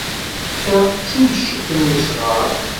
Ta d timceḍt n wesɣar.